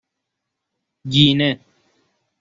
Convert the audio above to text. گینه